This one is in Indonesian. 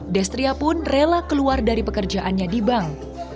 destria pun rela keluar dari pekerjaannya di bank